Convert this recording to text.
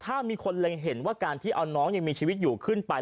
ถ้ามีคนเล็งเห็นว่าการที่เอาน้องยังมีชีวิตอยู่ขึ้นไป